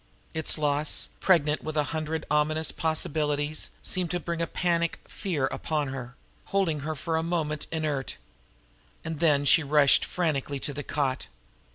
Its loss, pregnant with a hundred ominous possibilities, seemed to bring a panic fear upon her, holding her for a moment inert and then she rushed frantically to the cot.